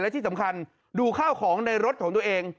และที่สำคัญดูข้าวของในรถของตัวเอง